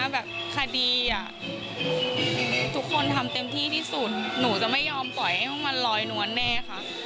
แบบคดีทุกคนทำเต็มที่ที่สุดหนูจะไม่ยอมปล่อยให้ห้องมันลอยนวลแน่ค่ะ